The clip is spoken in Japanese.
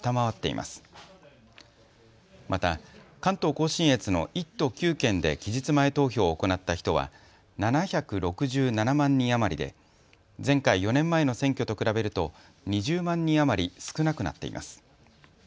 また関東甲信越の１都９県で期日前投票を行った人は７６７万人余りで前回・４年前の選挙と比べると２０万人余り少なくなっています。